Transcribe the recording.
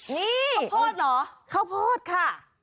นี่ข้าวโพดเหรอข้าวโพดค่ะ